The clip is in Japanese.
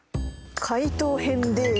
解答編です。